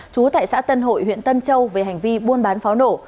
trú tại xã tân hội huyện tân châu về hành vi buôn bán pháo nổ